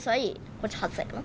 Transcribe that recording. こっち８歳かな？